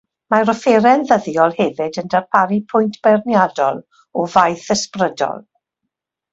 Mae'r Offeren ddyddiol hefyd yn darparu pwynt beirniadol o faeth ysbrydol.